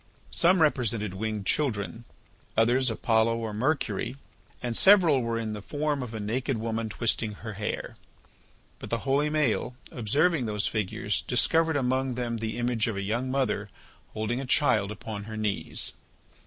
Some represented winged children, others Apollo or Mercury, and several were in the form of a naked woman twisting her hair. But the holy Maël, observing those figures, discovered among them the image of a young mother holding a child upon her knees.